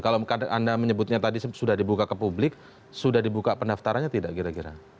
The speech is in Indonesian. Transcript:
kalau anda menyebutnya tadi sudah dibuka ke publik sudah dibuka pendaftarannya tidak kira kira